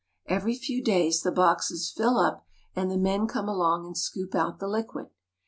Every few days the boxes fill up, and the men come along and scoop out the liquid.